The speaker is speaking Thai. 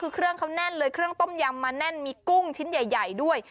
คือเครื่องเขาแน่นเลยเครื่องต้มยำมาแน่นมีกุ้งชิ้นใหญ่ด้วย